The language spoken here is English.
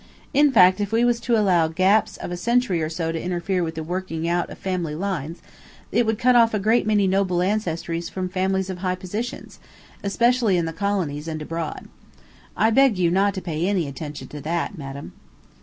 In fact, if we was to allow gaps of a century or so to interfere with the working out of family lines, it would cut off a great many noble ancestries from families of high position, especially in the colonies and abroad. I beg you not to pay any attention to that, madam."